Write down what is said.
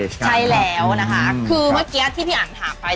ใช่แล้วนะคะคือเมื่อกี้ที่พี่อันถามไป